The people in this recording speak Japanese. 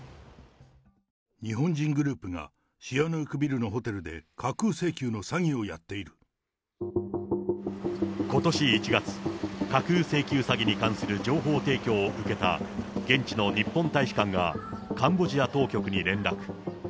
日本人グループがシアヌークビルのホテルで架空請求の詐欺をことし１月、架空請求詐欺に関する情報提供を受けた現地の日本大使館がカンボジア当局に連絡。